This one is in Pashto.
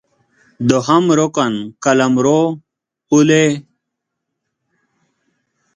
دوهم رکن قلمرو ، پولې